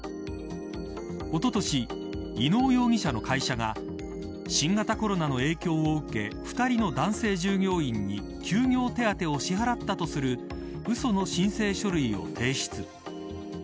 おととし、伊能容疑者の会社が新型コロナの影響を受け２人の男性従業員に休業手当を支払ったとするうその申請書類を提出。